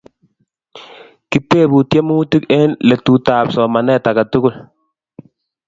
Kitebu tyemutik eng' letutab somanet age tugul